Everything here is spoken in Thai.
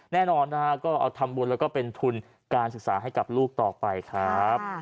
แน่นอนนะฮะก็เอาทำบุญแล้วก็เป็นทุนการศึกษาให้กับลูกต่อไปครับ